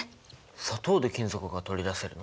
砂糖で金属が取り出せるの？